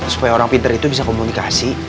supaya orang pinter itu bisa komunikasi